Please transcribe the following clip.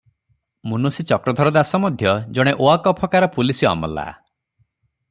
ମୁନସି ଚକ୍ରଧର ଦାସ ମଧ୍ୟ ଜଣେ ଓଆକଫକାର ପୁଲିସ ଅମଲା ।